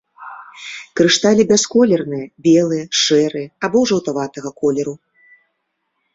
Крышталі бясколерныя, белыя, шэрыя або жаўтаватага колеру.